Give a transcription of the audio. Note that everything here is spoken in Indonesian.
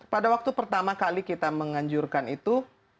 pada waktu pertama kali kita menganjurkan itu